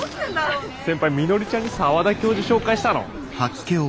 先輩みのりちゃんに澤田教授紹介したの？